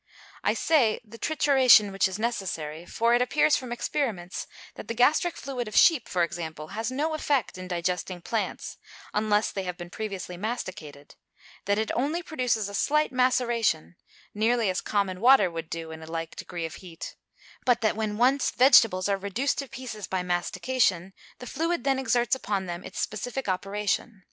I say, the trituration which is necessary; for it appears from experiments, that the gastric fluid of sheep, for example, has no effect in digesting plants, unless they have been previously masticated; that it only produces a slight maceration, nearly as common water would do in a like degree of heat; but that when once vegetables are reduced to pieces by mastication, the fluid then exerts upon them its specific operation.